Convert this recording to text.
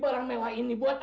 bagaimana kamu akan bertahan